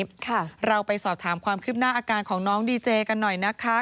ค่ะเราไปสอบถามความคืบหน้าอาการของน้องดีเจกันหน่อยนะคะ